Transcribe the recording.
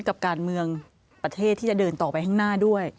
กับการเมืองประเทศที่จะเดินต่อไปข้างหน้าด้วย